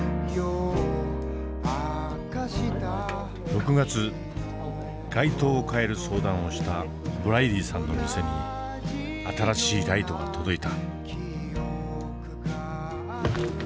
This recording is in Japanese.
６月外灯を替える相談をしたブライディさんの店に新しいライトが届いた。